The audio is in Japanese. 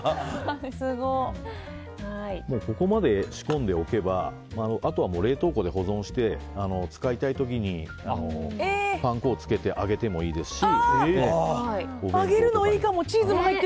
ここまで仕込んでおけばあとはもう冷凍庫で保存して使いたい時にパン粉をつけて揚げてもいいですし。